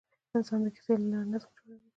انسان د کیسې له لارې نظم جوړوي.